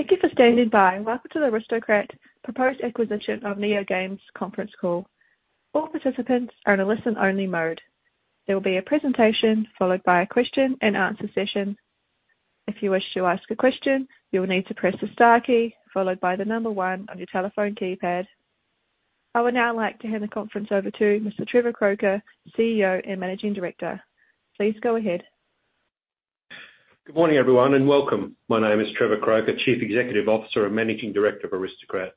Thank you for standing by. Welcome to the Aristocrat Proposed Acquisition of NeoGames conference call. All participants are in a listen-only mode. There will be a presentation followed by a Q&A session. If you wish to ask a question, you will need to press the star key followed by the number one on your telephone keypad. I would now like to hand the conference over to Mr. Trevor Croker, CEO and Managing Director. Please go ahead. Good morning, everyone, and welcome. My name is Trevor Croker, Chief Executive Officer and Managing Director of Aristocrat.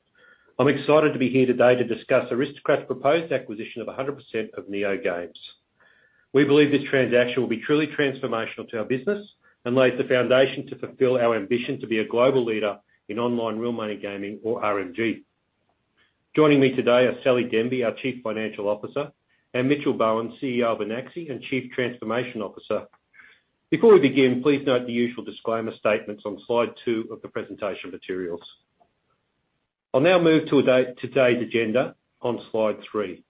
I'm excited to be here today to discuss Aristocrat's proposed acquisition of 100% of NeoGames. We believe this transaction will be truly transformational to our business and lays the foundation to fulfill our ambition to be a global leader in online real money gaming or RMG. Joining me today are Sally Denby, our Chief Financial Officer, and Mitchell Bowen, CEO of Anaxi and Chief Transformation Officer. Before we begin, please note the usual disclaimer statements on slide two of the presentation materials. I'll now move to today's agenda on slide three.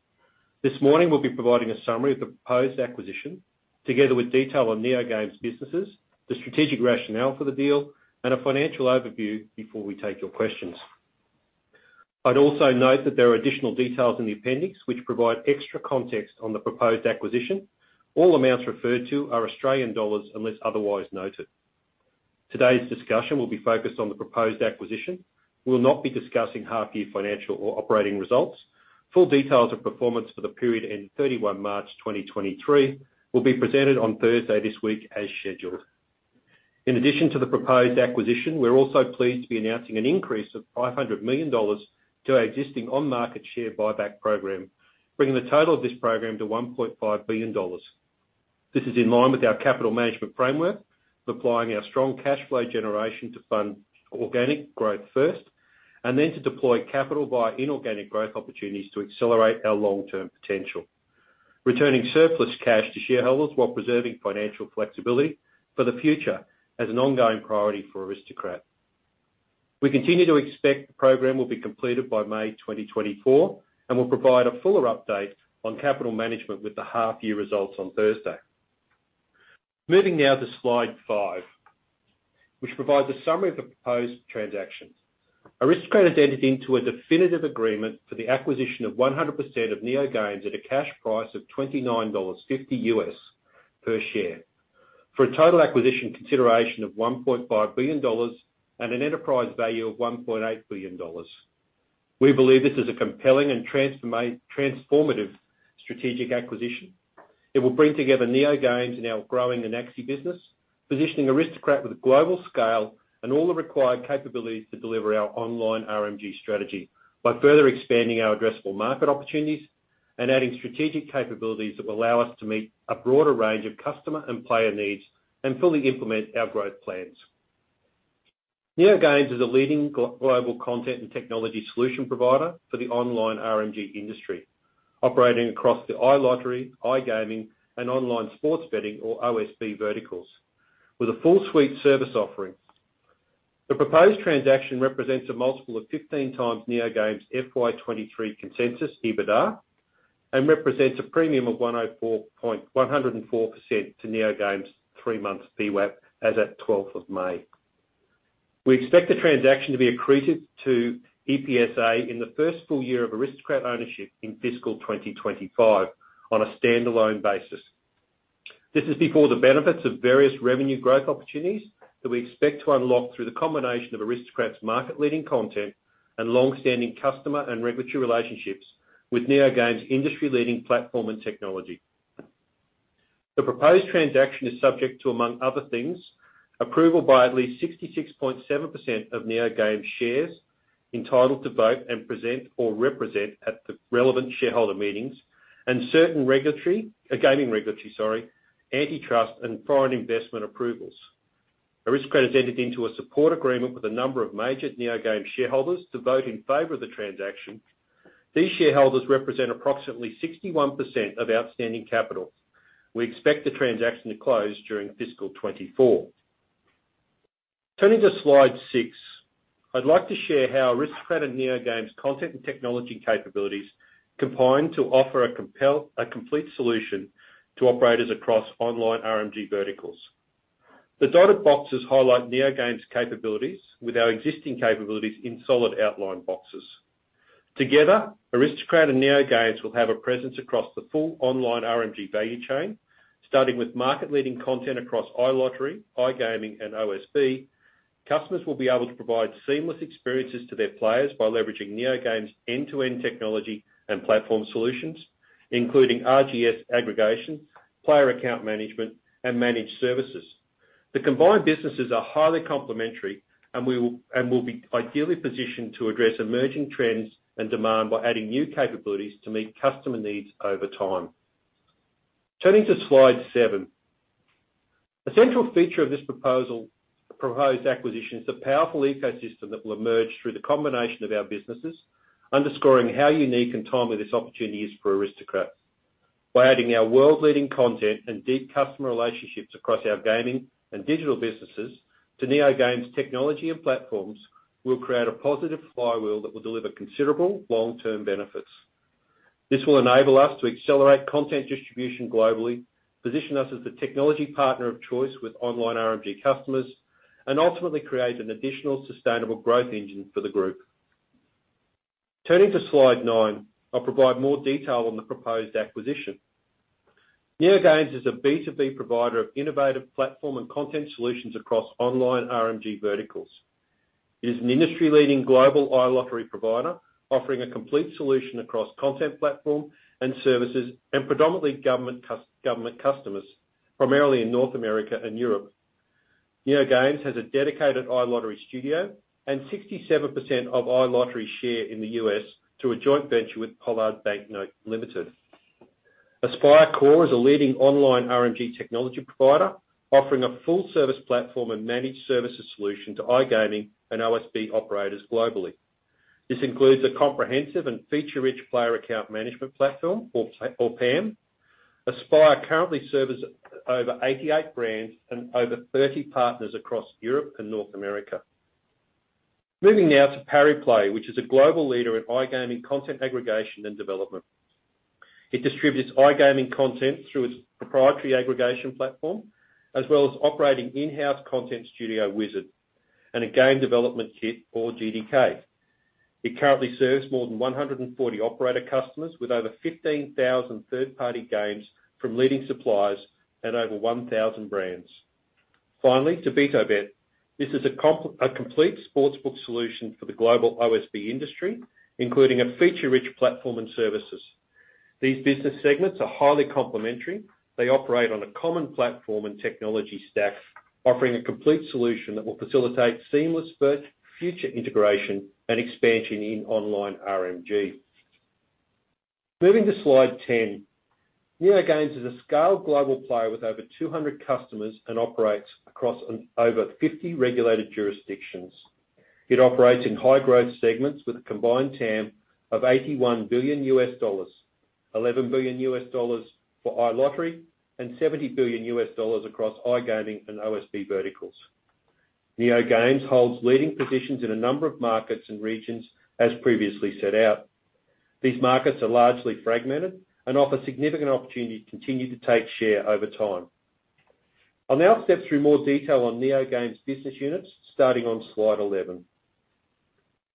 This morning, we'll be providing a summary of the proposed acquisition together with detail on NeoGames' businesses, the strategic rationale for the deal, and a financial overview before we take your questions. I'd also note that there are additional details in the appendix, which provide extra context on the proposed acquisition. All amounts referred to are Australian dollars, unless otherwise noted. Today's discussion will be focused on the proposed acquisition. We'll not be discussing half-year financial or operating results. Full details of performance for the period ending March 31, 2023 will be presented on Thursday this week as scheduled. In addition to the proposed acquisition, we're also pleased to be announcing an increase of 500 million dollars to our existing on-market share buyback program, bringing the total of this program to 1.5 billion dollars. This is in line with our capital management framework, applying our strong cash flow generation to fund organic growth first, and then to deploy capital via inorganic growth opportunities to accelerate our long-term potential. Returning surplus cash to shareholders while preserving financial flexibility for the future as an ongoing priority for Aristocrat. We continue to expect the program will be completed by May 2024, and we'll provide a fuller update on capital management with the half-year results on Thursday. Moving now to slide five, which provides a summary of the proposed transaction. Aristocrat has entered into a definitive agreement for the acquisition of 100% of NeoGames at a cash price of $29.50 U.S. per share. For a total acquisition consideration of $1.5 billion and an enterprise value of $1.8 billion. We believe this is a compelling and transformative strategic acquisition. It will bring together NeoGames and our growing Anaxi business, positioning Aristocrat with global scale and all the required capabilities to deliver our online RMG strategy by further expanding our addressable market opportunities and adding strategic capabilities that will allow us to meet a broader range of customer and player needs and fully implement our growth plans. NeoGames is a leading global content and technology solution provider for the online RMG industry, operating across the iLottery, iGaming, and Online Sports Betting or OSB verticals with a full suite service offering. The proposed transaction represents a multiple of 15x NeoGames FY 2023 consensus, EBITDA, and represents a premium of 104% to NeoGames' three-month VWAP as of May 12th. We expect the transaction to be accretive to EPSA in the first full year of Aristocrat ownership in fiscal 2025 on a standalone basis. This is before the benefits of various revenue growth opportunities that we expect to unlock through the combination of Aristocrat's market-leading content and long-standing customer and regulatory relationships with NeoGames' industry-leading platform and technology. The proposed transaction is subject to, among other things, approval by at least 66.7% of NeoGames shares entitled to vote and present or represent at the relevant shareholder meetings and certain gaming regulatory, sorry, antitrust and foreign investment approvals. Aristocrat has entered into a support agreement with a number of major NeoGames shareholders to vote in favor of the transaction. These shareholders represent approximately 61% of outstanding capital. We expect the transaction to close during fiscal 2024. Turning to slide six, I'd like to share how Aristocrat and NeoGames' content and technology capabilities combine to offer a complete solution to operators across online RMG verticals. The dotted boxes highlight NeoGames' capabilities with our existing capabilities in solid outline boxes. Together, Aristocrat and NeoGames will have a presence across the full online RMG value chain, starting with market-leading content across iLottery, iGaming, and OSB. Customers will be able to provide seamless experiences to their players by leveraging NeoGames' end-to-end technology and platform solutions, including RGS aggregation, player account management, and managed services. The combined businesses are highly complementary and will be ideally positioned to address emerging trends and demand by adding new capabilities to meet customer needs over time. Turning to slide seven. A central feature of this proposed acquisition is the powerful ecosystem that will emerge through the combination of our businesses, underscoring how unique and timely this opportunity is for Aristocrat. By adding our world-leading content and deep customer relationships across our gaming and digital businesses to NeoGames' technology and platforms, we'll create a positive flywheel that will deliver considerable long-term benefits. This will enable us to accelerate content distribution globally, position us as the technology partner of choice with online RMG customers, and ultimately create an additional sustainable growth engine for the group. Turning to slide nine, I'll provide more detail on the proposed acquisition. NeoGames is a B2B provider of innovative platform and content solutions across online RMG verticals. It is an industry-leading global iLottery provider, offering a complete solution across content platform and services and predominantly government customers, primarily in North America and Europe. NeoGames has a dedicated iLottery studio and 67% of iLottery share in the U.S. through a joint venture with Pollard Banknote Limited. Aspire Core is a leading online RMG technology provider, offering a full-service platform and managed services solution to iGaming and OSB operators globally. This includes a comprehensive and feature-rich Player Account Management platform or PAM. Aspire currently serves over 88 brands and over 30 partners across Europe and North America. Moving now to Pariplay, which is a global leader in iGaming content aggregation and development. It distributes iGaming content through its proprietary aggregation platform, as well as operating in-house content studio Wizard Games and a game development kit, or GDK. It currently serves more than 140 operator customers with over 15,000 third-party games from leading suppliers and over 1,000 brands. Finally, to BtoBet. This is a complete sportsbook solution for the global OSB industry, including a feature-rich platform and services. These business segments are highly complementary. They operate on a common platform and technology stack, offering a complete solution that will facilitate seamless future integration and expansion in online RMG. Moving to slide 10. NeoGames is a scaled global player with over 200 customers and operates across over 50 regulated jurisdictions. It operates in high-growth segments with a combined TAM of $81 billion, $11 billion for iLottery, and $70 billion across iGaming and OSB verticals. NeoGames holds leading positions in a number of markets and regions as previously set out. These markets are largely fragmented and offer significant opportunity to continue to take share over time. I'll now step through more detail on NeoGames' business units, starting on slide 11.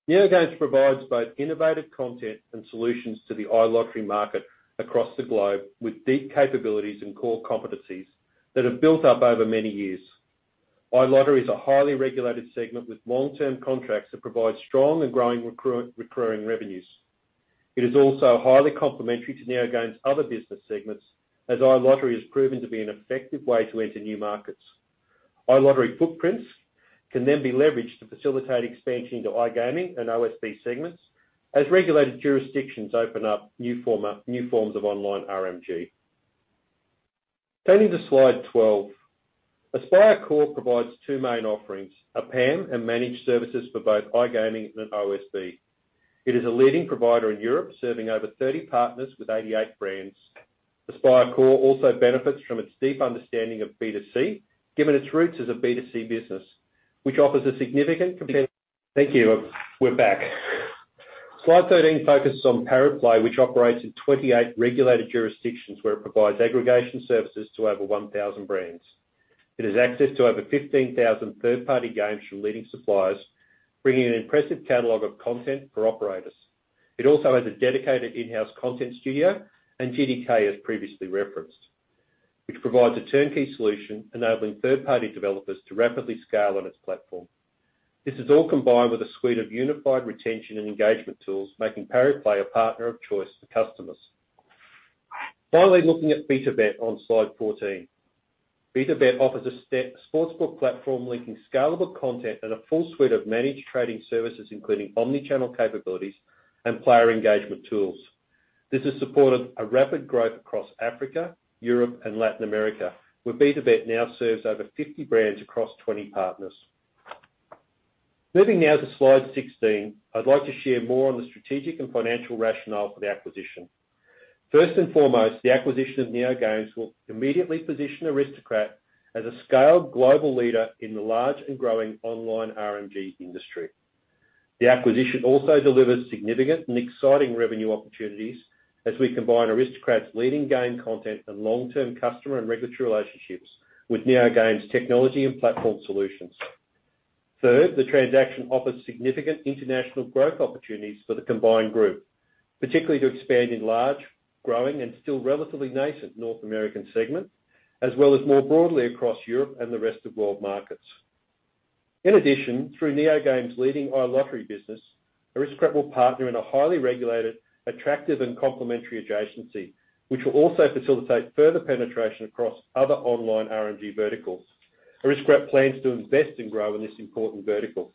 NeoGames provides both innovative content and solutions to the iLottery market across the globe, with deep capabilities and core competencies that have built up over many years. iLottery is a highly regulated segment with long-term contracts that provide strong and growing recurring revenues. It is also highly complementary to NeoGames' other business segments, as iLottery has proven to be an effective way to enter new markets. iLottery footprints can be leveraged to facilitate expansion into iGaming and OSB segments as regulated jurisdictions open up new forms of online RMG. Turning to slide 12. Aspire Core provides two main offerings, a PAM and managed services for both iGaming and OSB. It is a leading provider in Europe, serving over 30 partners with 88 brands. Aspire Core also benefits from its deep understanding of B2C, given its roots as a B2C business, which offers a significant. Thank you. We're back. Slide 13 focuses on Pariplay, which operates in 28 regulated jurisdictions where it provides aggregation services to over 1,000 brands. It has access to over 15,000 third-party games from leading suppliers, bringing an impressive catalog of content for operators. It also has a dedicated in-house content studio and GDK, as previously referenced, which provides a turnkey solution enabling third-party developers to rapidly scale on its platform. This is all combined with a suite of unified retention and engagement tools, making Pariplay a partner of choice for customers. Finally, looking at BtoBet on slide 14. BtoBet offers a sportsbook platform linking scalable content and a full suite of managed trading services, including omni-channel capabilities and player engagement tools. This has supported a rapid growth across Africa, Europe and Latin America, where BtoBet now serves over 50 brands across 20 partners. Moving now to slide 16, I'd like to share more on the strategic and financial rationale for the acquisition. First and foremost, the acquisition of NeoGames will immediately position Aristocrat as a scaled global leader in the large and growing online RMG industry. The acquisition also delivers significant and exciting revenue opportunities as we combine Aristocrat's leading game content and long-term customer and regulatory relationships with NeoGames' technology and platform solutions. Third, the transaction offers significant international growth opportunities for the combined group, particularly to expand in large, growing, and still relatively nascent North American segments, as well as more broadly across Europe and the rest of world markets. Through NeoGames' leading iLottery business, Aristocrat will partner in a highly regulated, attractive, and complementary adjacency, which will also facilitate further penetration across other online RMG verticals. Aristocrat plans to invest and grow in this important vertical.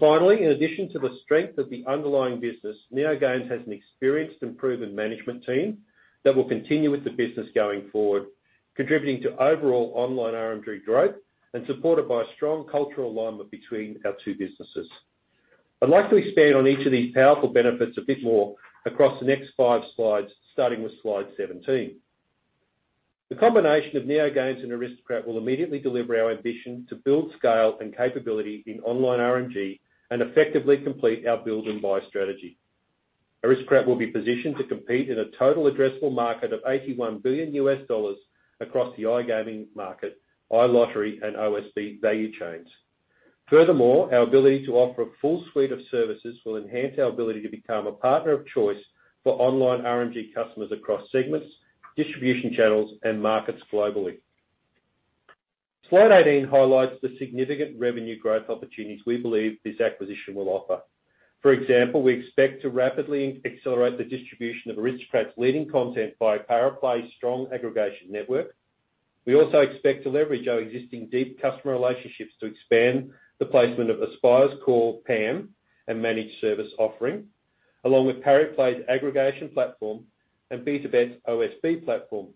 Finally, in addition to the strength of the underlying business, NeoGames has an experienced and proven management team that will continue with the business going forward, contributing to overall online RMG growth and supported by a strong cultural alignment between our two businesses. I'd like to expand on each of these powerful benefits a bit more across the next five slides, starting with slide 17. The combination of NeoGames and Aristocrat will immediately deliver our ambition to build scale and capability in online RMG and effectively complete our build and buy strategy. Aristocrat will be positioned to compete in a total addressable market of $81 billion across the iGaming market, iLottery, and OSB value chains. Furthermore, our ability to offer a full suite of services will enhance our ability to become a partner of choice for online RMG customers across segments, distribution channels, and markets globally. Slide 18 highlights the significant revenue growth opportunities we believe this acquisition will offer. For example, we expect to rapidly accelerate the distribution of Aristocrat's leading content via Pariplay's strong aggregation network. We also expect to leverage our existing deep customer relationships to expand the placement of Aspire's core PAM and managed service offering, along with Pariplay's aggregation platform and BtoBet's OSB platform.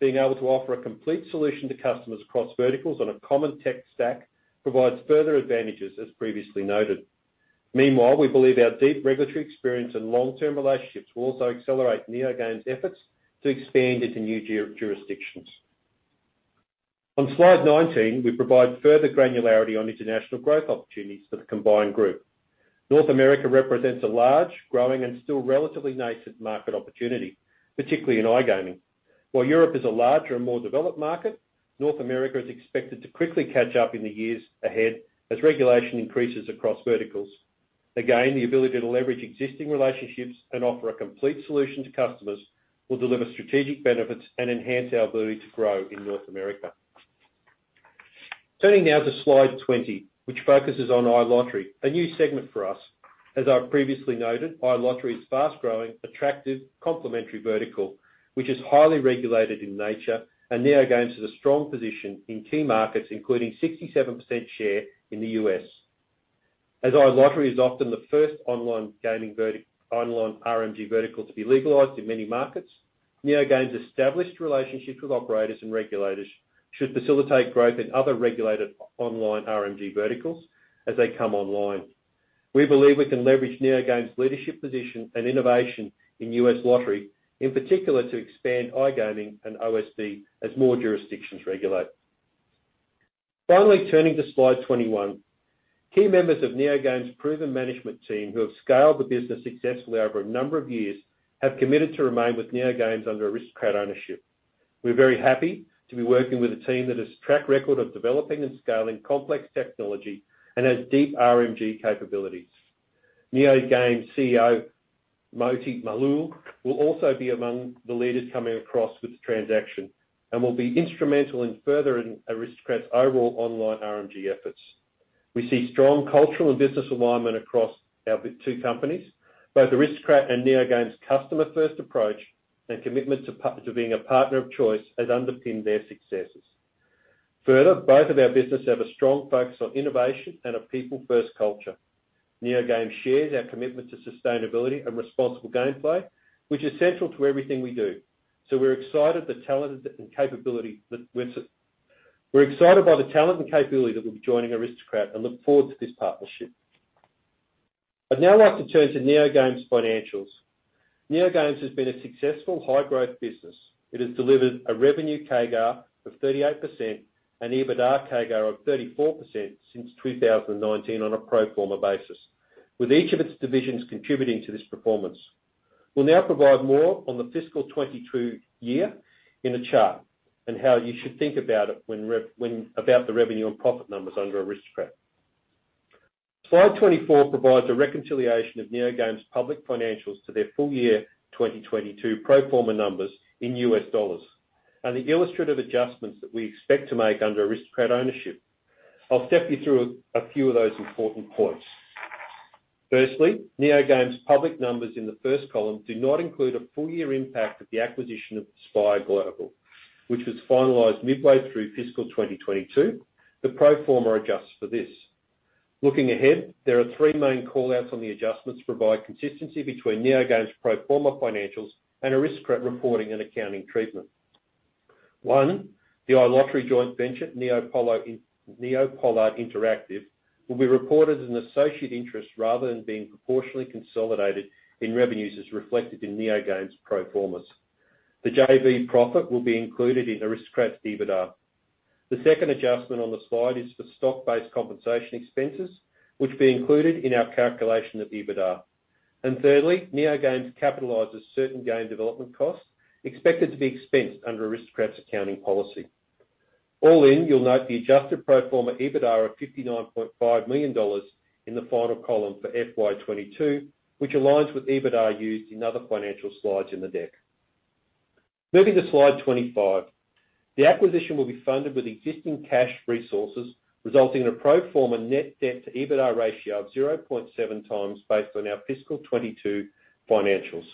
Being able to offer a complete solution to customers across verticals on a common tech stack provides further advantages, as previously noted. Meanwhile, we believe our deep regulatory experience and long-term relationships will also accelerate NeoGames' efforts to expand into new jurisdictions. On slide 19, we provide further granularity on international growth opportunities for the combined group. North America represents a large, growing, and still relatively nascent market opportunity, particularly in iGaming. While Europe is a larger and more developed market, North America is expected to quickly catch up in the years ahead as regulation increases across verticals. The ability to leverage existing relationships and offer a complete solution to customers will deliver strategic benefits and enhance our ability to grow in North America. Turning now to slide 20, which focuses on iLottery, a new segment for us. As I previously noted, iLottery is a fast-growing, attractive, complementary vertical, which is highly regulated in nature, and NeoGames has a strong position in key markets, including 67% share in the U.S. iLottery is often the first online gaming online RMG vertical to be legalized in many markets, NeoGames' established relationships with operators and regulators should facilitate growth in other regulated online RMG verticals as they come online. We believe we can leverage NeoGames' leadership position and innovation in U.S. lottery, in particular to expand iGaming and OSB as more jurisdictions regulate. Turning to slide 21. Key members of NeoGames' proven management team, who have scaled the business successfully over a number of years, have committed to remain with NeoGames under Aristocrat ownership. We're very happy to be working with a team that has track record of developing and scaling complex technology and has deep RMG capabilities. NeoGames' CEO, Moti Malul, will also be among the leaders coming across with the transaction and will be instrumental in furthering Aristocrat's overall online RMG efforts. We see strong cultural and business alignment across our two companies. Both Aristocrat and NeoGames' customer-first approach and commitment to being a partner of choice has underpinned their successes. Further, both of our businesses have a strong focus on innovation and a people-first culture. NeoGames shares our commitment to sustainability and responsible gameplay, which is central to everything we do. We're excited by the talent and capability that will be joining Aristocrat and look forward to this partnership. I'd now like to turn to NeoGames' financials. NeoGames has been a successful high-growth business. It has delivered a revenue CAGR of 38% and EBITDA CAGR of 34% since 2019 on a pro forma basis, with each of its divisions contributing to this performance. We'll now provide more on the fiscal 2022 year in a chart, how you should think about the revenue and profit numbers under Aristocrat. Slide 24 provides a reconciliation of NeoGames' public financials to their full year 2022 pro forma numbers in U.S. dollars, the illustrative adjustments that we expect to make under Aristocrat ownership. I'll step you through a few of those important points. Firstly, NeoGames' public numbers in the first column do not include a full year impact of the acquisition of Aspire Global, which was finalized midway through fiscal 2022. The pro forma adjusts for this. Looking ahead, there are three main call-outs on the adjustments to provide consistency between NeoGames' pro forma financials and Aristocrat reporting and accounting treatment. One, the iLottery joint venture, NeoPollard Interactive, will be reported as an associate interest rather than being proportionally consolidated in revenues as reflected in NeoGames' pro formas. The JV profit will be included in Aristocrat's EBITDA. The second adjustment on the slide is for stock-based compensation expenses, which will be included in our calculation of EBITDA. Thirdly, NeoGames capitalizes certain game development costs expected to be expensed under Aristocrat's accounting policy. All in, you'll note the adjusted pro forma EBITDA of 59.5 million dollars in the final column for FY 2022, which aligns with EBITDA used in other financial slides in the deck. Moving to slide 25. The acquisition will be funded with existing cash resources, resulting in a pro forma net debt-to-EBITDA ratio of 0.7x based on our fiscal 2022 financials.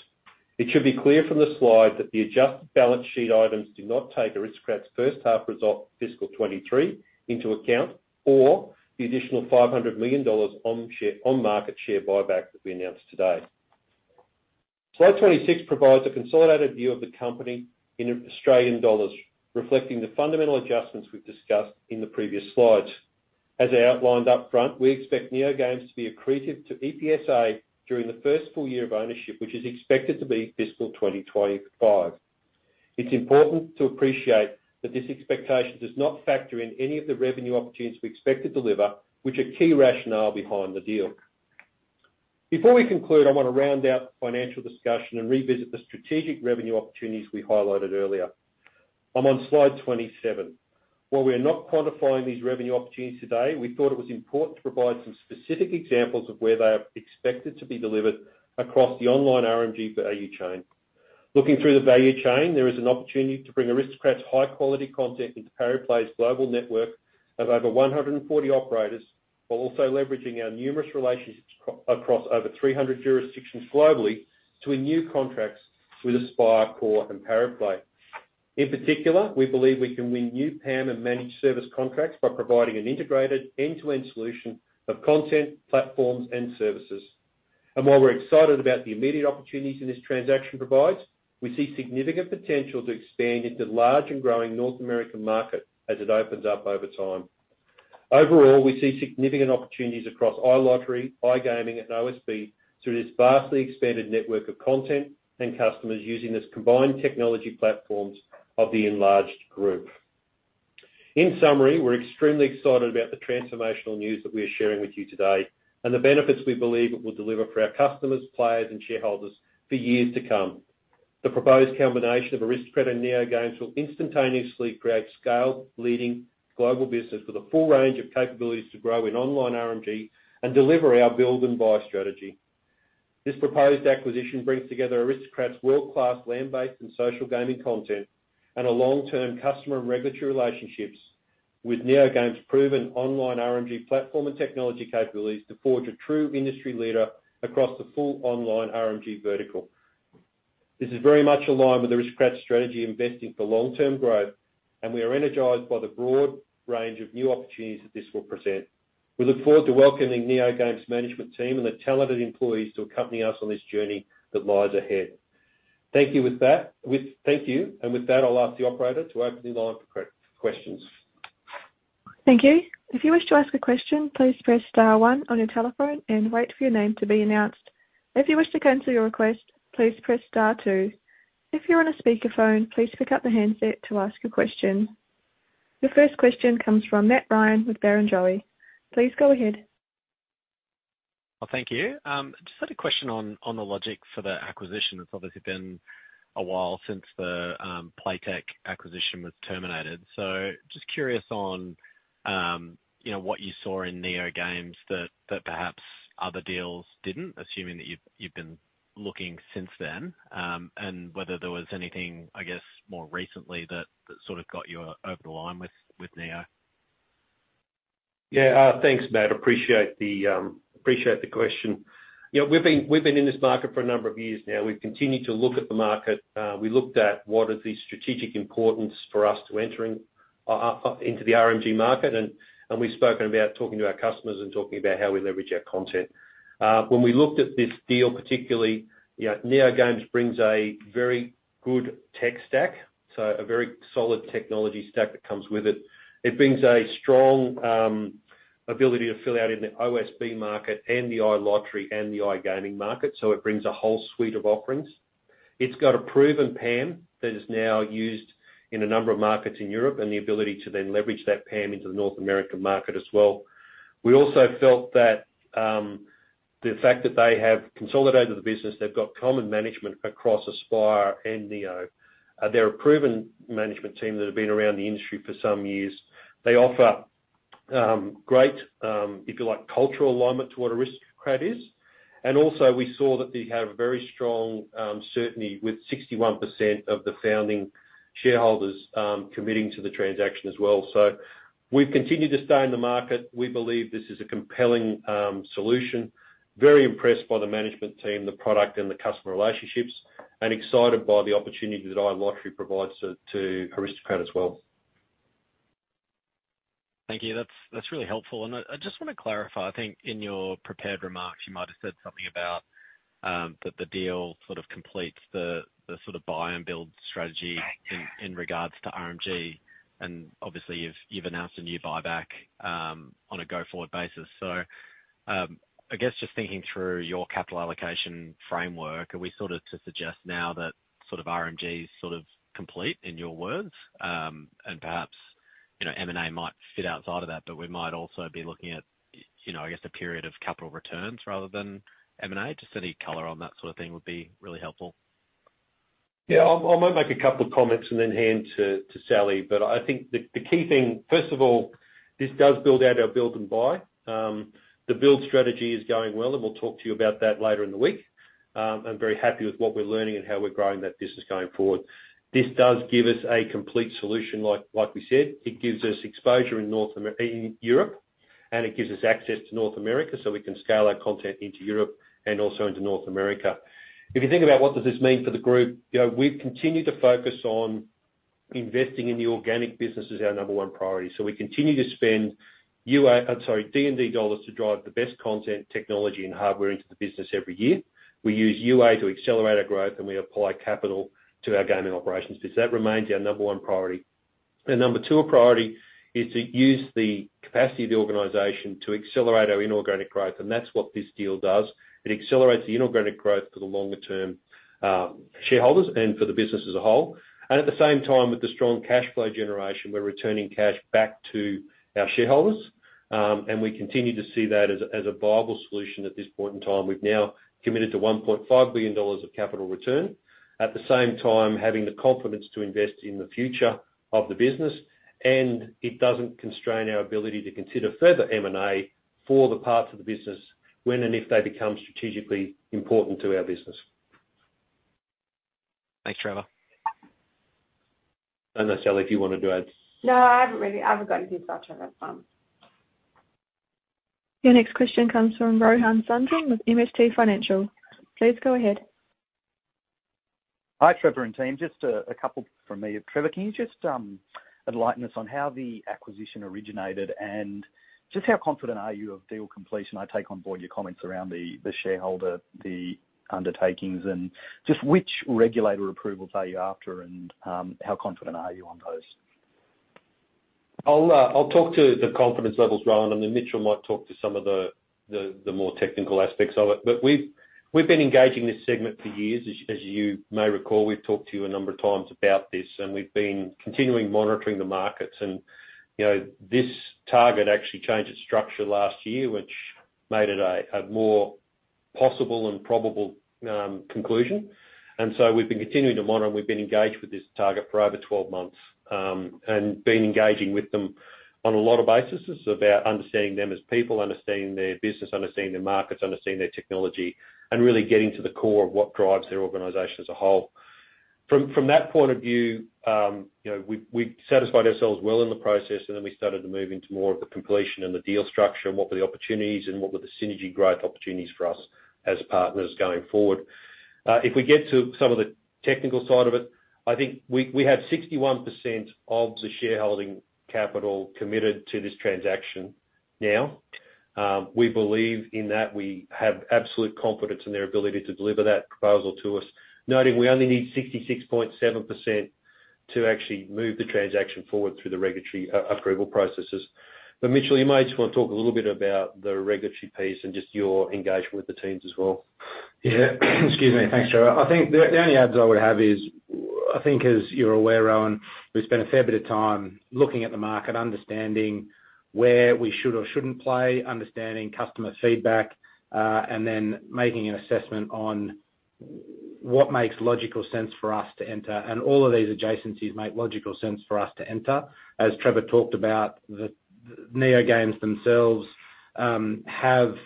It should be clear from the slide that the adjusted balance sheet items do not take Aristocrat's first half result fiscal 2023 into account or the additional 500 million dollars on market share buyback that we announced today. Slide 26 provides a consolidated view of the company in Australian dollars, reflecting the fundamental adjustments we've discussed in the previous slides. I outlined up front, we expect NeoGames to be accretive to EPSA during the first full year of ownership, which is expected to be fiscal 2025. It's important to appreciate that this expectation does not factor in any of the revenue opportunities we expect to deliver, which are key rationale behind the deal. Before we conclude, I wanna round out the financial discussion and revisit the strategic revenue opportunities we highlighted earlier. I'm on slide 27. While we are not quantifying these revenue opportunities today, we thought it was important to provide some specific examples of where they are expected to be delivered across the online RMG value chain. Looking through the value chain, there is an opportunity to bring Aristocrat's high-quality content into Pariplay's global network of over 140 operators, while also leveraging our numerous relationships across over 300 jurisdictions globally to win new contracts with Aspire Core and Pariplay. In particular, we believe we can win new PAM and managed service contracts by providing an integrated end-to-end solution of content, platforms, and services. While we're excited about the immediate opportunities that this transaction provides, we see significant potential to expand into large and growing North American market as it opens up over time. Overall, we see significant opportunities across iLottery, iGaming, and OSB through this vastly expanded network of content and customers using this combined technology platforms of the enlarged group. In summary, we're extremely excited about the transformational news that we are sharing with you today and the benefits we believe it will deliver for our customers, players, and shareholders for years to come. The proposed combination of Aristocrat and NeoGames will instantaneously create scale leading global business with a full range of capabilities to grow in online RMG and deliver our build and buy strategy. This proposed acquisition brings together Aristocrat's world-class land-based and social gaming content and a long-term customer and regulatory relationships with NeoGames' proven online RMG platform and technology capabilities to forge a true industry leader across the full online RMG vertical. This is very much aligned with Aristocrat's strategy, investing for long-term growth, and we are energized by the broad range of new opportunities that this will present. We look forward to welcoming NeoGames management team and the talented employees to accompany us on this journey that lies ahead. Thank you with that. Thank you. With that, I'll ask the operator to open the line for questions. Thank you. If you wish to ask a question, please press star one on your telephone and wait for your name to be announced. If you wish to cancel your request, please press star two. If you're on a speakerphone, please pick up the handset to ask a question. The first question comes from Matt Ryan with Barrenjoey. Please go ahead. Well, thank you. Just had a question on the logic for the acquisition. It's obviously been a while since the Playtech acquisition was terminated. Just curious on, you know, what you saw in NeoGames that perhaps other deals didn't, assuming that you've been looking since then, and whether there was anything, I guess, more recently that sort of got you over the line with Neo? Yeah. Thanks, Matt. Appreciate the question. You know, we've been, we've been in this market for a number of years now. We've continued to look at the market. We looked at what is the strategic importance for us to entering up into the RMG market, and we've spoken about talking to our customers and talking about how we leverage our content. When we looked at this deal, particularly, you know, NeoGames brings a very good tech stack, so a very solid technology stack that comes with it. It brings a strong ability to fill out in the OSB market and the iLottery and the iGaming market, so it brings a whole suite of offerings. It's got a proven PAM that is now used in a number of markets in Europe and the ability to then leverage that PAM into the North American market as well. We also felt that the fact that they have consolidated the business, they've got common management across Aspire and Neo, they're a proven management team that have been around the industry for some years. They offer great, if you like, cultural alignment to what Aristocrat is, and also we saw that they have very strong certainty with 61% of the founding shareholders committing to the transaction as well. We've continued to stay in the market. We believe this is a compelling solution. Very impressed by the management team, the product, and the customer relationships, and excited by the opportunity that iLottery provides to Aristocrat as well. Thank you. That's really helpful. I just wanna clarify, I think in your prepared remarks, you might have said something about that the deal sort of completes the sort of buy and build strategy. Right. Yeah In regards to RMG, and obviously you've announced a new buyback on a go-forward basis. I guess just thinking through your capital allocation framework, are we sort of to suggest now that sort of RMG is sort of complete, in your words? Perhaps, you know, M&A might fit outside of that, but we might also be looking at, you know, I guess, a period of capital returns rather than M&A. Just any color on that sort of thing would be really helpful. Yeah. I might make a couple of comments and then hand to Sally. I think the key thing, first of all, this does build out our build and buy. The build strategy is going well, and we'll talk to you about that later in the week. I'm very happy with what we're learning and how we're growing that business going forward. This does give us a complete solution like we said. It gives us exposure in Europe, and it gives us access to North America, so we can scale our content into Europe and also into North America. If you think about what does this mean for the group, you know, we've continued to focus on investing in the organic business as our number one priority. We continue to spend UA, I'm sorry, D&D AUD to drive the best content, technology, and hardware into the business every year. We use UA to accelerate our growth, and we apply capital to our gaming operations business. That remains our number one priority. Number two priority is to use the capacity of the organization to accelerate our inorganic growth, and that's what this deal does. It accelerates the inorganic growth for the longer-term shareholders and for the business as a whole. At the same time, with the strong cash flow generation, we're returning cash back to our shareholders. We continue to see that as a viable solution at this point in time. We've now committed to 1.5 billion dollars of capital return. At the same time, having the confidence to invest in the future of the business, it doesn't constrain our ability to consider further M&A for the parts of the business when and if they become strategically important to our business. Thanks, Trevor. I don't know, Sally, if you wanted to add. No, I haven't really. I haven't got anything to add to that, Trev. Your next question comes from Rohan Sundram with MST Financial. Please go ahead. Hi, Trevor and team. Just a couple from me. Trevor, can you just enlighten us on how the acquisition originated and just how confident are you of deal completion? I take on board your comments around the shareholder, the undertakings, and just which regulator approvals are you after, and how confident are you on those? I'll talk to the confidence levels, Rohan, then Mitchell might talk to some of the more technical aspects of it. We've been engaging this segment for years. As you may recall, we've talked to you a number of times about this, we've been continuing monitoring the markets. You know, this target actually changed its structure last year, which made it a more possible and probable conclusion. We've been continuing to monitor. We've been engaged with this target for over 12 months and been engaging with them on a lot of bases, about understanding them as people, understanding their business, understanding their markets, understanding their technology, and really getting to the core of what drives their organization as a whole. From that point of view, you know, we satisfied ourselves well in the process, then we started to move into more of the completion and the deal structure and what were the opportunities and what were the synergy growth opportunities for us as partners going forward. If we get to some of the technical side of it, I think we have 61% of the shareholding capital committed to this transaction now. We believe in that. We have absolute confidence in their ability to deliver that proposal to us, noting we only need 66.7% to actually move the transaction forward through the regulatory approval processes. Mitchell, you may just wanna talk a little bit about the regulatory piece and just your engagement with the teams as well. Yeah. Excuse me. Thanks, Trevor. I think the only adds I would have is, I think as you're aware, Rohan, we spent a fair bit of time looking at the market, understanding where we should or shouldn't play, understanding customer feedback, and then making an assessment on what makes logical sense for us to enter. All of these adjacencies make logical sense for us to enter. As Trevor talked about, the NeoGames themselves have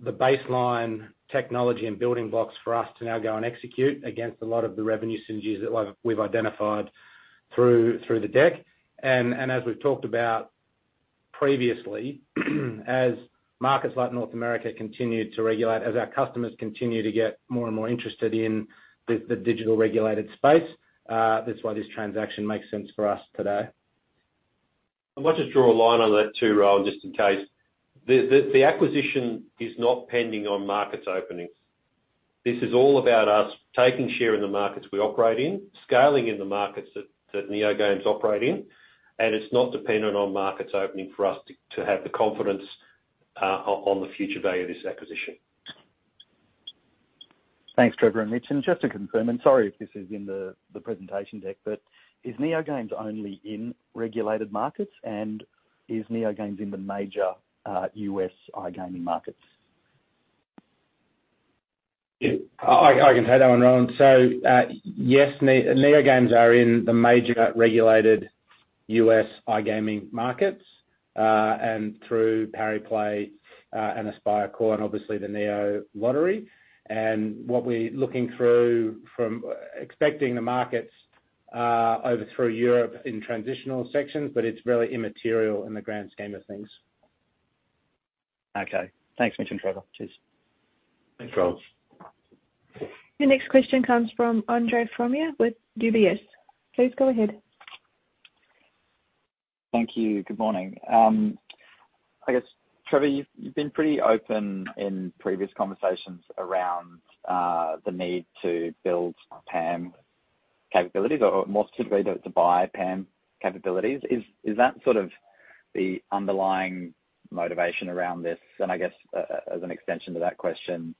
the baseline technology and building blocks for us to now go and execute against a lot of the revenue synergies that like we've identified through the deck. As we've talked about previously, as markets like North America continue to regulate, as our customers continue to get more and more interested in the digital regulated space, that's why this transaction makes sense for us today. I might just draw a line on that, too, Rohan, just in case. The acquisition is not pending on markets openings. This is all about us taking share in the markets we operate in, scaling in the markets that NeoGames operate in. It's not dependent on markets opening for us to have the confidence on the future value of this acquisition. Thanks, Trevor and Mitchell. Just to confirm, sorry if this is in the presentation deck, is NeoGames only in regulated markets, and is NeoGames in the major U.S. iGaming markets? I can take that one, Rohan. Yes, NeoGames are in the major regulated U.S. iGaming markets, and through Pariplay, and Aspire Global, and obviously the Neo Lottery. What we're looking through from expecting the markets, over through Europe in transitional sections, but it's really immaterial in the grand scheme of things. Okay. Thanks, Mitch and Trevor. Cheers. Thanks, Rohan. Your next question comes from Andre Fromyhr with UBS. Please go ahead. Thank you. Good morning. I guess, Trevor, you've been pretty open in previous conversations around the need to build PAM capabilities or more specifically to buy PAM capabilities. Is that sort of the underlying motivation around this? I guess as an extension to that question,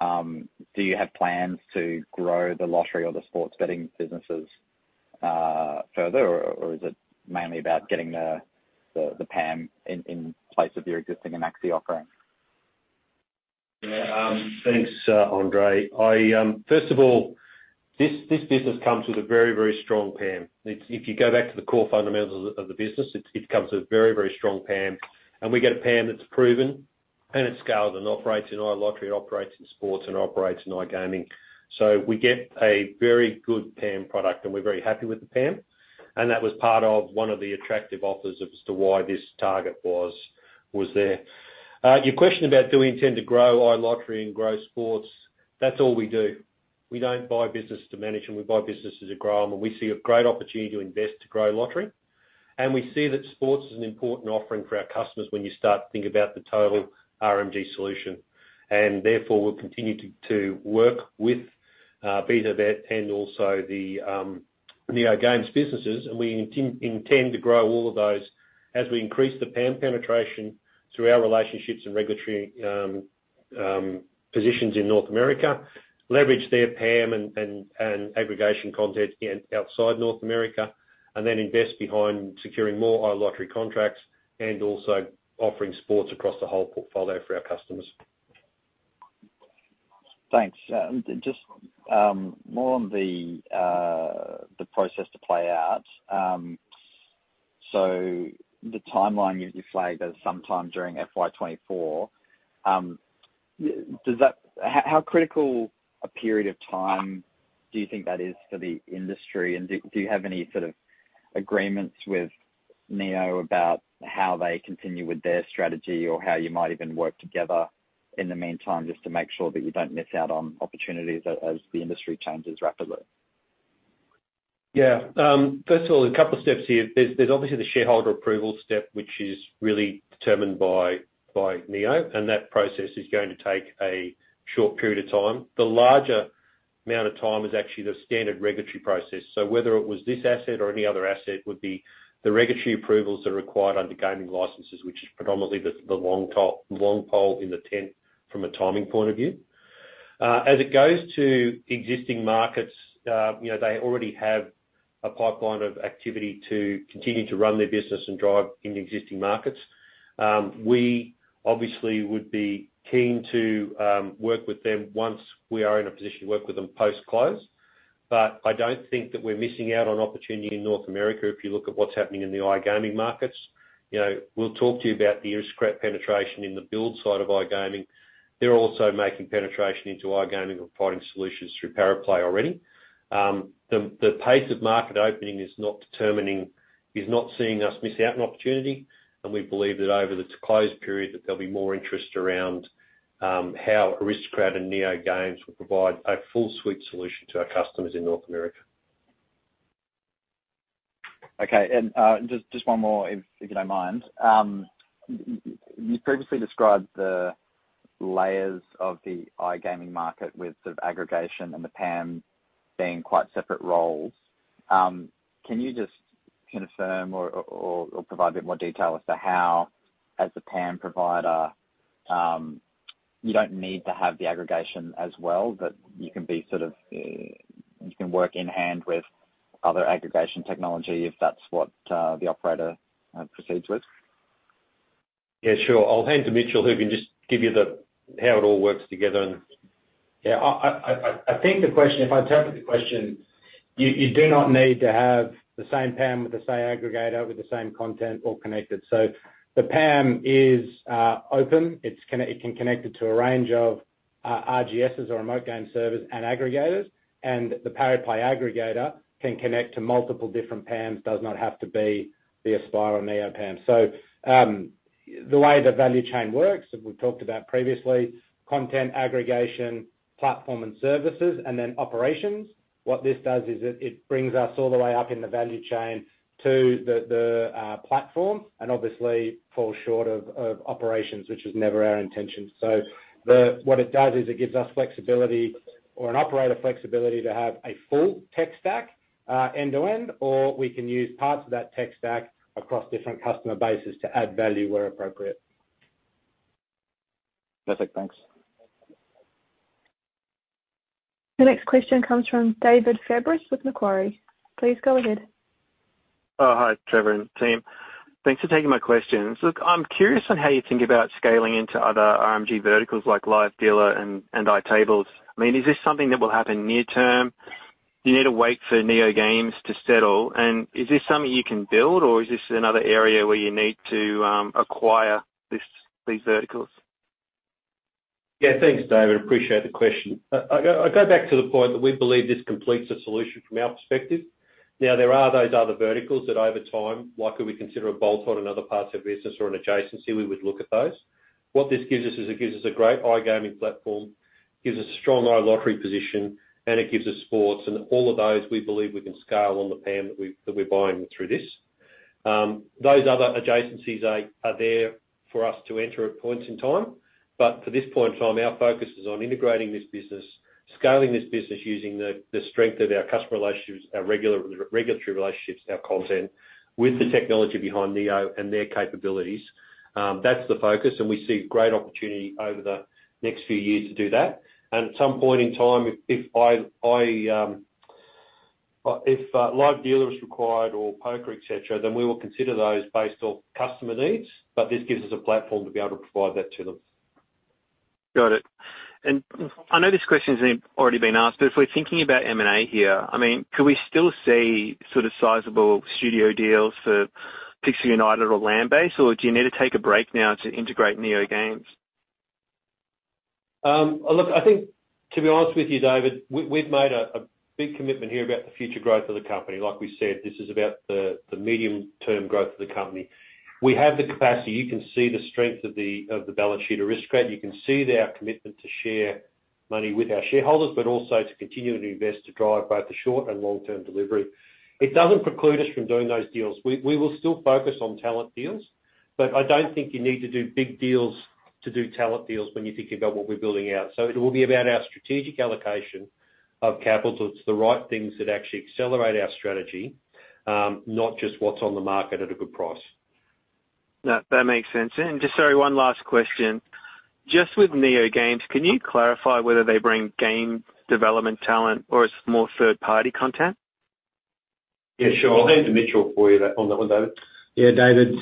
do you have plans to grow the lottery or the sports betting businesses further, or is it mainly about getting the PAM in place of your existing Anaxi offering? Yeah. Thanks, Andre. First of all, this business comes with a very, very strong PAM. If you go back to the core fundamentals of the business, it comes with very, very strong PAM, and we get a PAM that's proven and it's scaled and operates in iLottery, operates in sports and operates in iGaming. We get a very good PAM product, and we're very happy with the PAM, and that was part of one of the attractive offers as to why this target was there. Your question about do we intend to grow iLottery and grow sports, that's all we do. We don't buy business to manage them. We buy businesses to grow them, we see a great opportunity to invest to grow lottery. We see that sports is an important offering for our customers when you start to think about the total RMG solution. We'll continue to work with BtoBet and also the NeoGames businesses. We intend to grow all of those as we increase the PAM penetration through our relationships and regulatory positions in North America, leverage their PAM and aggregation content outside North America, invest behind securing more iLottery contracts, and also offering sports across the whole portfolio for our customers. Thanks. Just more on the process to play out. The timeline you flagged as sometime during FY 2024. How critical a period of time do you think that is for the industry? And do you have any sort of agreements with Neo about how they continue with their strategy or how you might even work together in the meantime, just to make sure that you don't miss out on opportunities as the industry changes rapidly? First of all, a couple steps here. There's obviously the shareholder approval step, which is really determined by Neo, that process is going to take a short period of time. The larger amount of time is actually the standard regulatory process. Whether it was this asset or any other asset would be the regulatory approvals that are required under gaming licenses, which is predominantly the long pole in the tent from a timing point of view. As it goes to existing markets, you know, they already have a pipeline of activity to continue to run their business and drive in existing markets. We obviously would be keen to work with them once we are in a position to work with them post-close. I don't think that we're missing out on opportunity in North America if you look at what's happening in the iGaming markets. You know, we'll talk to you about the Aristocrat penetration in the build side of iGaming. They're also making penetration into iGaming and providing solutions through Pariplay already. The pace of market opening is not seeing us miss out on opportunity, and we believe that over the closed period, that there'll be more interest around how Aristocrat and NeoGames will provide a full suite solution to our customers in North America. Okay. Just one more, if you don't mind. You previously described the layers of the iGaming market with sort of aggregation and the PAM being quite separate roles. Can you just confirm or provide a bit more detail as to how, as a PAM provider, you don't need to have the aggregation as well, but you can be sort of, you can work in hand with other aggregation technology if that's what the operator proceeds with? Yeah, sure. I'll hand to Mitchell, who can just give you how it all works together. I think the question, if I interpret the question, you do not need to have the same PAM with the same aggregator with the same content all connected. The PAM is open. It can connect it to a range of RGSs or Remote Game Servers and Aggregators. The Pariplay aggregator can connect to multiple different PAMs. Does not have to be the Aspire or Neo PAM. The way the value chain works, and we've talked about previously, content aggregation, platform and services, and then operations. What this does is it brings us all the way up in the value chain to the platform, and obviously falls short of operations, which was never our intention. What it does is it gives us flexibility or an operator flexibility to have a full tech stack, end to end, or we can use parts of that tech stack across different customer bases to add value where appropriate. Perfect. Thanks. The next question comes from David Fabris with Macquarie. Please go ahead. Oh, hi, Trevor and team. Thanks for taking my questions. Look, I'm curious on how you think about scaling into other RMG verticals like live dealer and iTables. I mean, is this something that will happen near term? Do you need to wait for NeoGames to settle? Is this something you can build, or is this another area where you need to acquire this, these verticals? Yeah. Thanks, David. Appreciate the question. I go back to the point that we believe this completes the solution from our perspective. There are those other verticals that over time, likely we consider a bolt-on in other parts of the business or an adjacency, we would look at those. What this gives us is it gives us a great iGaming platform, gives us a strong iLottery position, and it gives us sports. All of those we believe we can scale on the PAM that we're buying through this. Those other adjacencies are there for us to enter at points in time, but for this point in time, our focus is on integrating this business, scaling this business using the strength of our customer relationships, our regulatory relationships, our content with the technology behind Neo and their capabilities. That's the focus. We see great opportunity over the next few years to do that. At some point in time, if live dealer is required or poker, et cetera, then we will consider those based on customer needs, but this gives us a platform to be able to provide that to them. Got it. I know this question already been asked, if we're thinking about M&A here, I mean, could we still see sort of sizable studio deals for Pixel United or Land Base, or do you need to take a break now to integrate NeoGames? Look, I think to be honest with you, David, we've made a big commitment here about the future growth of the company. Like we said, this is about the medium-term growth of the company. We have the capacity. You can see the strength of the balance sheet of Aristocrat. You can see our commitment to ShareMoney with our shareholders, but also to continue to invest, to drive both the short and long-term delivery. It doesn't preclude us from doing those deals. We will still focus on talent deals, but I don't think you need to do big deals to do talent deals when you think about what we're building out. It will be about our strategic allocation of capital to the right things that actually accelerate our strategy, not just what's on the market at a good price. No, that makes sense. Just, sorry, one last question. Just with NeoGames, can you clarify whether they bring game development talent or it's more third-party content? Yeah, sure. I'll hand to Mitchell for you on that one, David. Yeah, David.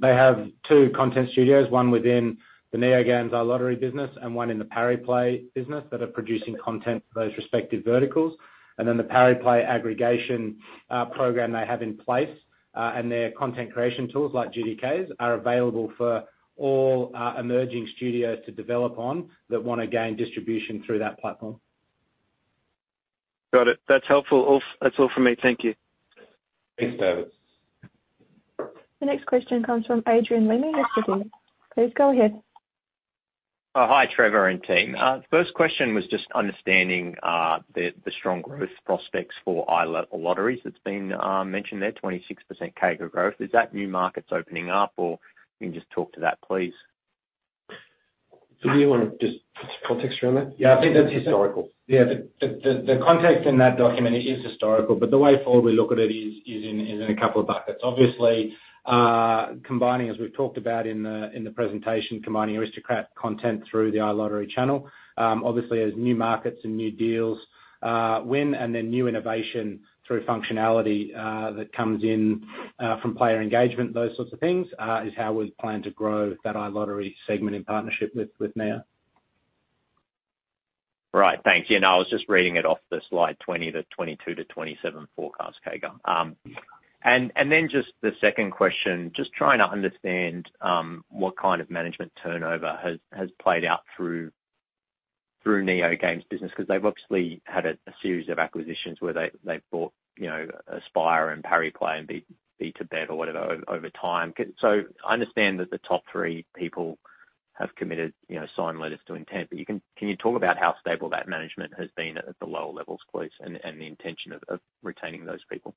They have two content studios, one within the NeoGames, our lottery business, and one in the Pariplay business that are producing content for those respective verticals. The Pariplay aggregation program they have in place, and their content creation tools like GDKs are available for all our emerging studios to develop on that wanna gain distribution through that platform. Got it. That's helpful. All, that's all for me. Thank you. Thanks, David. The next question comes from Adrian Lemme with Citi. Please go ahead. Hi, Trevor and team. First question was just understanding the strong growth prospects for iLottery that's been mentioned there, 26% CAGR growth. Is that new markets opening up or can you just talk to that, please? Do you wanna just put some context around that? Yeah, I think that's historical. Yeah. The context in that document is historical. The way forward we look at it is in a couple of buckets. Obviously, combining as we've talked about in the presentation, combining Aristocrat content through the iLottery channel. Obviously as new markets and new deals win and then new innovation through functionality that comes in from player engagement, those sorts of things, is how we plan to grow that iLottery segment in partnership with Neo. Right. Thanks. Yeah, no, I was just reading it off the slide 20% to 22% to 27% forecast CAGR. Then just the second question, just trying to understand what kind of management turnover has played out through NeoGames business because they've obviously had a series of acquisitions where they've bought, you know, Aspire and Pariplay and BtoBet or whatever over time. I understand that the top three people have committed, you know, signed letters to intent. Can you talk about how stable that management has been at the lower levels, please, and the intention of retaining those people?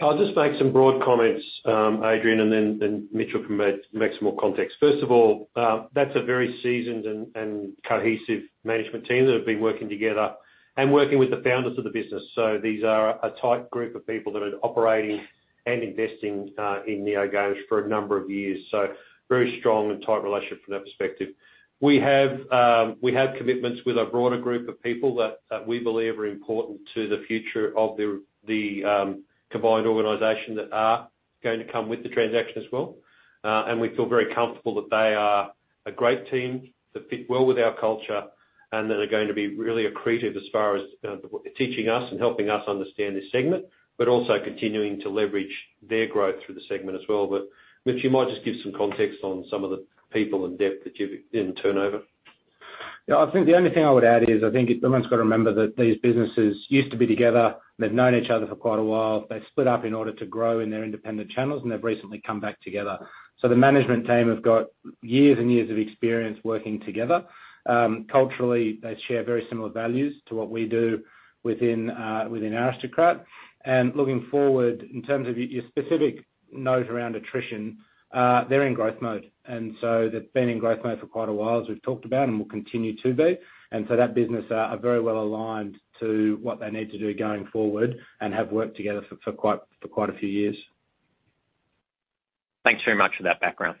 I'll just make some broad comments, Adrian. Then Mitchell can make some more context. First of all, that's a very seasoned and cohesive management team that have been working together and working with the founders of the business. These are a tight group of people that are operating and investing in NeoGames for a number of years. Very strong and tight relationship from that perspective. We have commitments with a broader group of people that we believe are important to the future of the combined organization that are going to come with the transaction as well. We feel very comfortable that they are a great team that fit well with our culture and that are going to be really accretive as far as teaching us and helping us understand this segment, but also continuing to leverage their growth through the segment as well. Mitch, you might just give some context on some of the people in depth that you've in turnover. I think the only thing I would add is I think everyone's got to remember that these businesses used to be together. They've known each other for quite a while. They've split up in order to grow in their independent channels, and they've recently come back together. The management team have got years and years of experience working together. Culturally, they share very similar values to what we do within Aristocrat. Looking forward, in terms of your specific note around attrition, they're in growth mode, and they've been in growth mode for quite a while, as we've talked about and will continue to be. That business are very well aligned to what they need to do going forward and have worked together for quite a few years. Thanks very much for that background.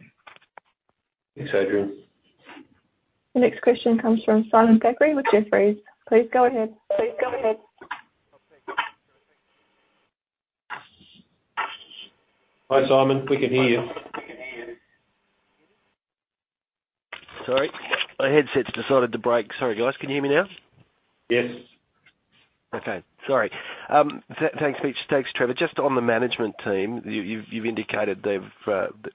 Thanks, Adrian. The next question comes from Simon Thackray with Jefferies. Please go ahead. Hi, Simon. We can hear you. Sorry. My headset's decided to break. Sorry, guys. Can you hear me now? Yes. Thanks, Mitch. Thanks, Trevor. Just on the management team, you've indicated they've,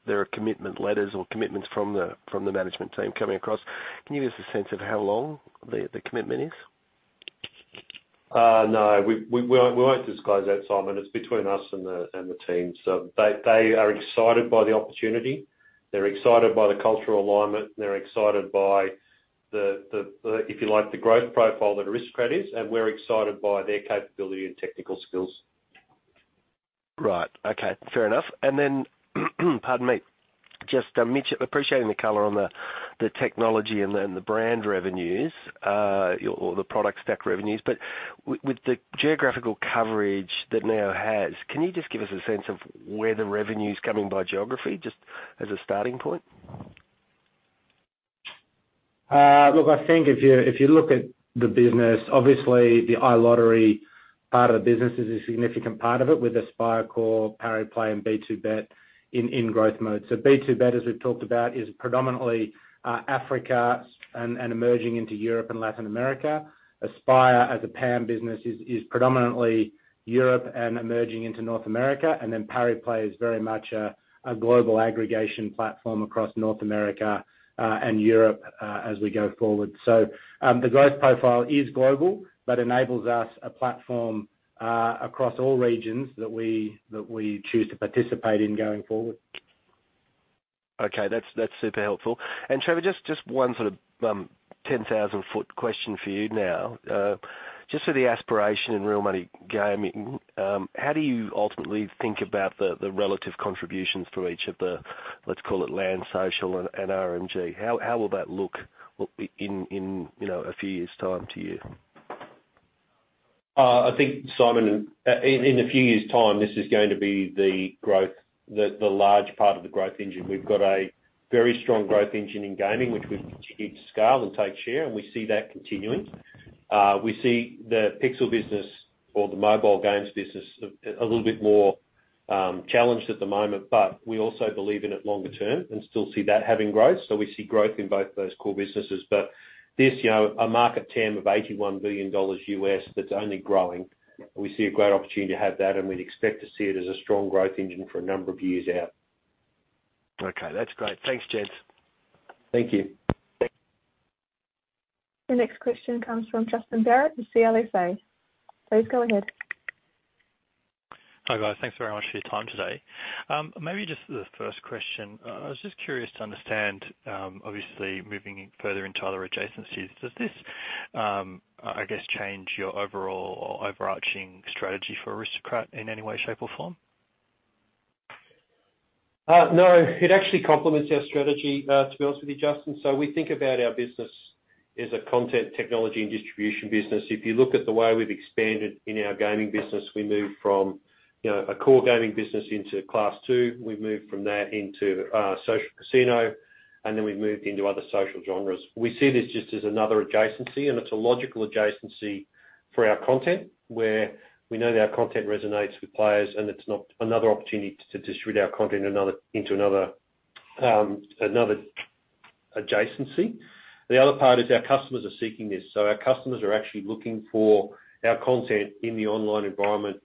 there are commitment letters or commitments from the management team coming across. Can you give us a sense of how long the commitment is? No. We won't disclose that, Simon. It's between us and the team. They are excited by the opportunity. They're excited by the cultural alignment. They're excited by the, if you like, the growth profile that Aristocrat is, and we're excited by their capability and technical skills. Right. Okay. Fair enough. Pardon me, just, Mitch, appreciating the color on the technology and then the brand revenues, or the product stack revenues. With the geographical coverage that Neo has, can you just give us a sense of where the revenue's coming by geography, just as a starting point? Look, I think if you, if you look at the business, obviously the iLottery part of the business is a significant part of it with Aspire Core, Pariplay, and BtoBet in growth mode. BtoBet, as we've talked about, is predominantly Africa and emerging into Europe and Latin America. Aspire as a PAM business is predominantly Europe and emerging into North America. Pariplay is very much a global aggregation platform across North America and Europe as we go forward. The growth profile is global, but enables us a platform across all regions that we choose to participate in going forward. Okay, that's super helpful. Trevor, just one sort of, 10,000 foot question for you now. Just so the aspiration in Real Money Gaming, how do you ultimately think about the relative contributions to each of the, let's call it land, social, and RMG? How will that look in, you know, a few years time to you? I think, Simon, in a few years time, this is going to be the large part of the growth engine. We've got a very strong growth engine in gaming, which we've continued to scale and take share, and we see that continuing. We see the Pixel business or the mobile games business a little bit more challenged at the moment, but we also believe in it longer term and still see that having growth. We see growth in both those core businesses. This, you know, a market TAM of $81 billion U.S., that's only growing. We see a great opportunity to have that, and we'd expect to see it as a strong growth engine for a number of years out. Okay, that's great. Thanks, gents. Thank you. The next question comes from Justin Barratt of CLSA. Please go ahead. Hi, guys. Thanks very much for your time today. Maybe just as a first question, I was just curious to understand, obviously moving further into other adjacencies, does this, I guess, change your overall or overarching strategy for Aristocrat in any way, shape, or form? No, it actually complements our strategy, to be honest with you, Justin. We think about our business as a content technology and distribution business. If you look at the way we've expanded in our gaming business, we moved from, you know, a core gaming business into Class II. We've moved from that into social casino, and then we've moved into other social genres. We see this just as another adjacency, and it's a logical adjacency for our content, where we know that our content resonates with players, and it's not another opportunity to distribute our content another, into another adjacency. The other part is our customers are seeking this. Our customers are actually looking for our content in the online environment,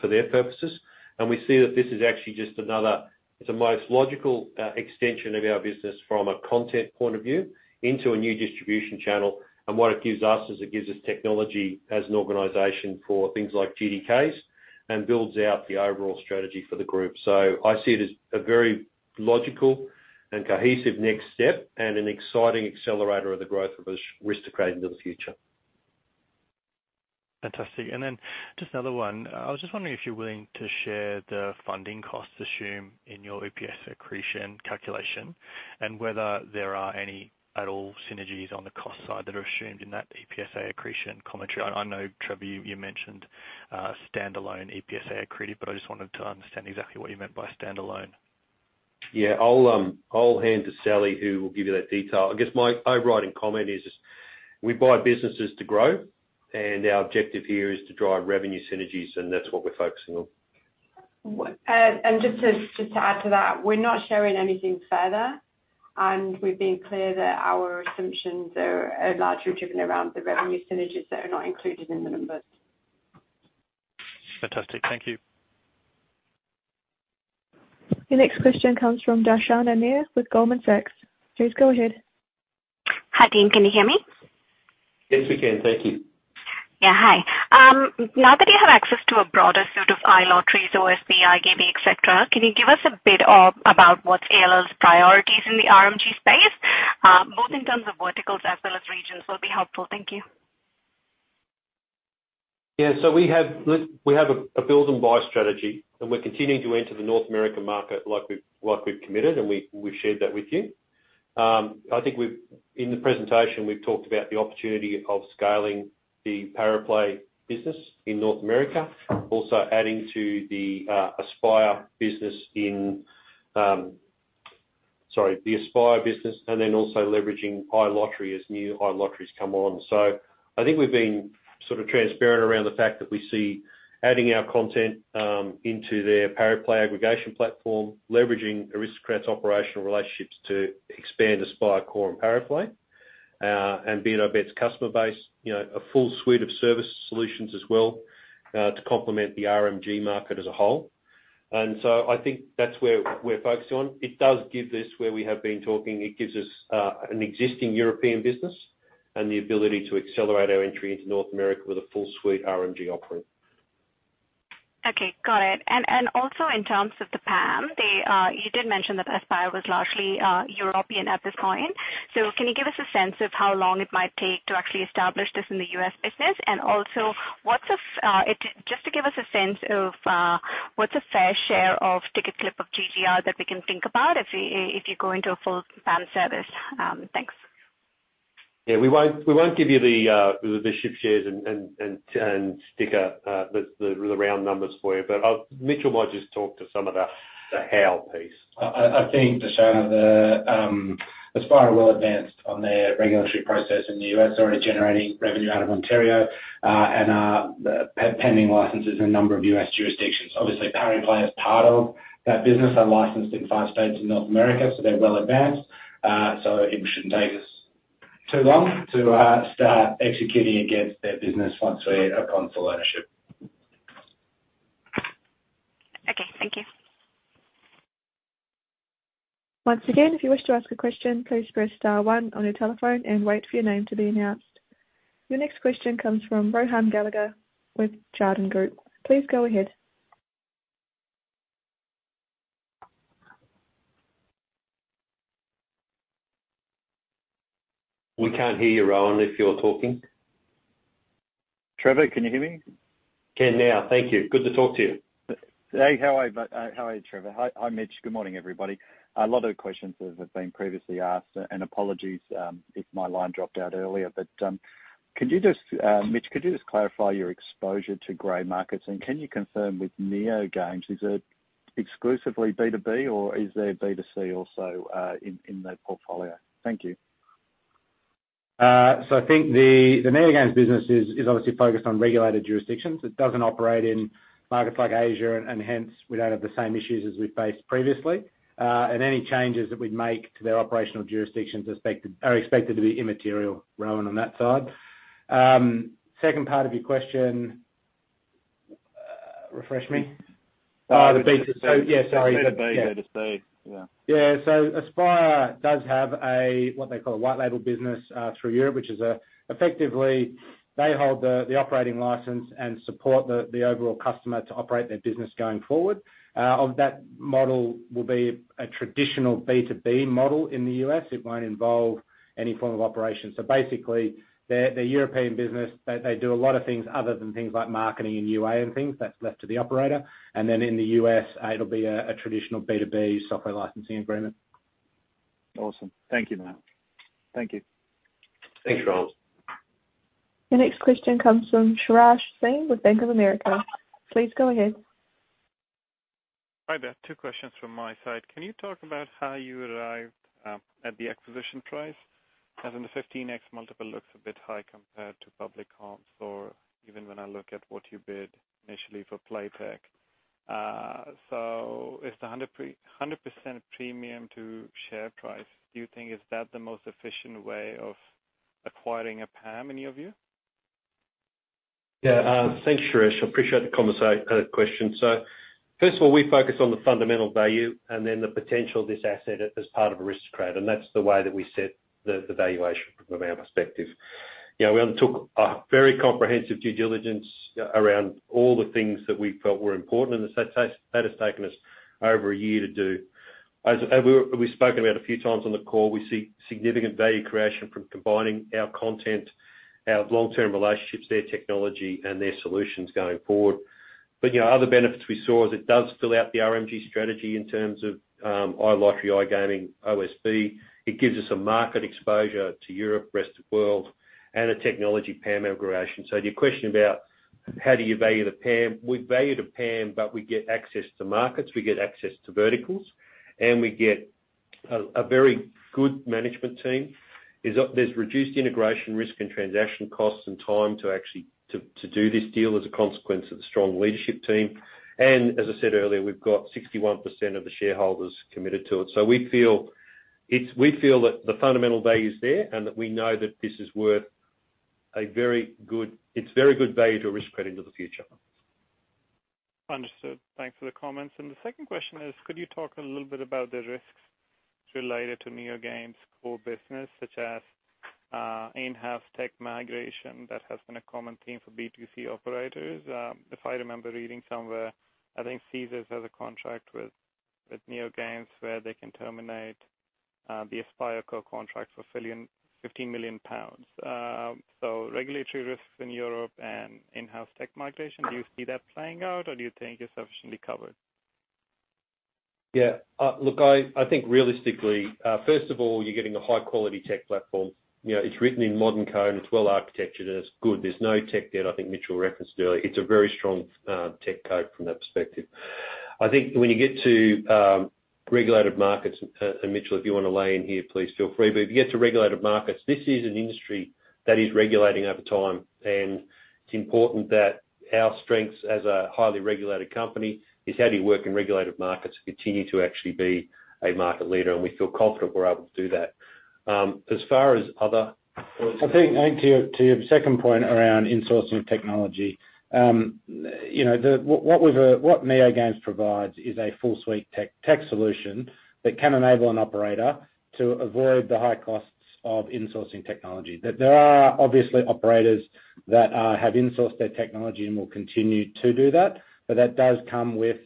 for their purposes. We see that this is actually just another, it's a most logical extension of our business from a content point of view into a new distribution channel. What it gives us is it gives us technology as an organization for things like GDKs and builds out the overall strategy for the group. I see it as a very logical and cohesive next step and an exciting accelerator of the growth of Aristocrat into the future. Fantastic. Then just another one. I was just wondering if you're willing to share the funding costs assumed in your EPS accretion calculation and whether there are any at all synergies on the cost side that are assumed in that EPSA accretion commentary. I know, Trevor, you mentioned standalone EPSA accreted, but I just wanted to understand exactly what you meant by standalone. Yeah, I'll hand to Sally, who will give you that detail. I guess my overriding comment is we buy businesses to grow. Our objective here is to drive revenue synergies. That's what we're focusing on. Just to add to that, we're not sharing anything further. We've been clear that our assumptions are largely driven around the revenue synergies that are not included in the numbers. Fantastic. Thank you. Your next question comes from Darshana Nair with Goldman Sachs. Please go ahead. Hi, team. Can you hear me? Yes, we can. Thank you. Yeah, hi. Now that you have access to a broader suite of iLottery, OSB, iGaming, et cetera, can you give us a bit of about what's ALL's priorities in the RMG space, both in terms of verticals as well as regions will be helpful. Thank you. We have a build and buy strategy, and we're continuing to enter the North American market like we, like we've committed, and we've shared that with you. I think in the presentation, we've talked about the opportunity of scaling the Pariplay business in North America, also adding to the Aspire business. Sorry, the Aspire business and then also leveraging iLottery as new iLotteries come on. I think we've been sort of transparent around the fact that we see adding our content into their Pariplay aggregation platform, leveraging Aristocrat's operational relationships to expand Aspire Core and Pariplay, and BtoBet's customer base, you know, a full suite of service solutions as well, to complement the RMG market as a whole. I think that's where we're focused on. It does give this where we have been talking. It gives us an existing European business and the ability to accelerate our entry into North America with a full suite RMG offering. Okay, got it. Also in terms of the PAM, they you did mention that Aspire was largely European at this point. Can you give us a sense of how long it might take to actually establish this in the U.S. business? Also, what's a just to give us a sense of what's a fair share of ticket clip of GGR that we can think about if we, if you go into a full PAM service? Thanks. Yeah, we won't give you the ship shares and stick the round numbers for you. Mitchell might just talk to some of the how piece. I think Darshana, the, Aspire are well advanced on their regulatory process in the U.S. Already generating revenue out of Ontario, and are pending licenses in a number of U.S. jurisdictions. Obviously, Pariplay is part of that business, are licensed in five states in North America, so they're well advanced. It shouldn't take us too long to start executing against their business once we upon full ownership. Okay, thank you. Once again, if you wish to ask a question, please press star 1 on your telephone and wait for your name to be announced. Your next question comes from Rohan Gallagher with Jarden Group. Please go ahead. We can't hear you, Rohan, if you're talking. Trevor, can you hear me? Can now. Thank you. Good to talk to you. Hey. How are you, Trevor? Hi. Hi, Mitch. Good morning, everybody. A lot of questions that have been previously asked, apologies, if my line dropped out earlier. Mitch, could you just clarify your exposure to gray markets? Can you confirm with NeoGames, is it exclusively B2B or is there B2C also in the portfolio? Thank you. I think the NeoGames business is obviously focused on regulated jurisdictions. It doesn't operate in markets like Asia, and hence we don't have the same issues as we faced previously. Any changes that we'd make to their operational jurisdictions are expected to be immaterial, Rohan, on that side. Second part of your question, refresh me. The B2C. Oh, yeah, sorry. B2B, B2C. Yeah. Yeah. Aspire does have a, what they call a white label business, through Europe, which is, effectively they hold the operating license and support the overall customer to operate their business going forward. Of that model will be a traditional B2B model in the U.S. It won't involve any form of operation. Basically their European business, they do a lot of things other than things like marketing and UA and things. That's left to the operator. In the U.S., it'll be a traditional B2B software licensing agreement. Awesome. Thank you. Yeah. Thank you. Thanks, Rohan. Your next question comes from Sriharsh Singh with Bank of America. Please go ahead. Hi there. Two questions from my side. Can you talk about how you arrived at the acquisition price? As in the 15x multiple looks a bit high compared to public comps or even when I look at what you bid initially for Playtech. Is the 100% premium to share price, do you think is that the most efficient way of acquiring PAM in your view? Yeah. Thanks, Sriharsh. I appreciate the question. First of all, we focus on the fundamental value and then the potential of this asset as part of Aristocrat, and that's the way that we set the valuation from our perspective. You know, we undertook a very comprehensive due diligence around all the things that we felt were important, and that has taken us over a year to do. As we've spoken about a few times on the call, we see significant value creation from combining our content, our long-term relationships, their technology, and their solutions going forward. You know, other benefits we saw is it does fill out the RMG strategy in terms of iLottery, iGaming, OSB. It gives us a market exposure to Europe, rest of world, and a technology PAM integration. Your question about how do you value the PAM, we value the PAM, but we get access to markets, we get access to verticals, and we get a very good management team is, there's reduced integration risk and transaction costs and time to actually to do this deal as a consequence of the strong leadership team. As I said earlier, we've got 61% of the shareholders committed to it. We feel that the fundamental value is there and that we know that this is worth it's very good value to Aristocrat into the future. Understood. Thanks for the comments. The second question is, could you talk a little bit about the risks related to NeoGames' core business, such as in-house tech migration that has been a common theme for B2C operators? If I remember reading somewhere, I think Caesars has a contract with NeoGames where they can terminate the Aspire Core contract for 15 million pounds. Regulatory risks in Europe and in-house tech migration, do you see that playing out or do you think you're sufficiently covered? Look, I think realistically, first of all, you're getting a high-quality tech platform. You know, it's written in modern code, and it's well-architecture, and it's good. There's no tech debt. I think Mitchell referenced earlier. It's a very strong tech code from that perspective. I think when you get to regulated markets, and Mitchell, if you wanna lay in here, please feel free. If you get to regulated markets, this is an industry that is regulating over time, and it's important that our strengths as a highly regulated company is how do you work in regulated markets to continue to actually be a market leader, and we feel confident we're able to do that. As far as other - I think, to your, to your second point around insourcing of technology, you know, what NeoGames provides is a full suite tech solution that can enable an operator to avoid the high costs of insourcing technology. There, there are obviously operators that have insourced their technology and will continue to do that, but that does come with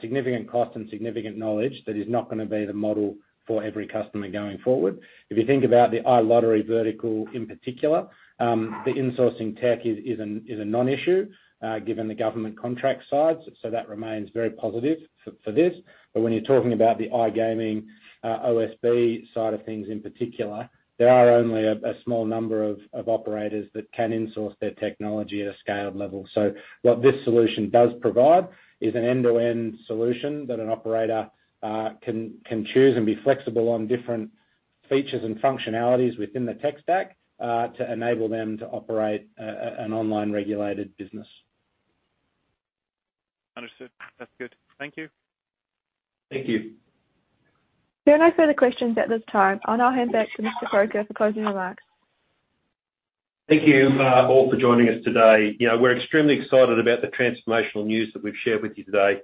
significant cost and significant knowledge that is not gonna be the model for every customer going forward. If you think about the iLottery vertical in particular, the insourcing tech is an, is a non-issue, given the government contract sides, so that remains very positive for this. When you're talking about the iGaming, OSB side of things in particular, there are only a small number of operators that can insource their technology at a scaled level. What this solution does provide is an end-to-end solution that an operator can choose and be flexible on different features and functionalities within the tech stack to enable them to operate an online regulated business. Understood. That's good. Thank you. Thank you. There are no further questions at this time. I'll now hand back to Mr. Croker for closing remarks. Thank you, all, for joining us today. You know, we're extremely excited about the transformational news that we've shared with you today,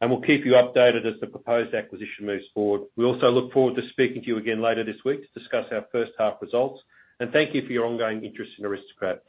and we'll keep you updated as the proposed acquisition moves forward. We also look forward to speaking to you again later this week to discuss our first half results, and thank you for your ongoing interest in Aristocrat.